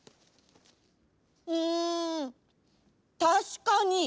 うんたしかに。